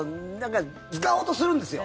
使おうとするんですよ。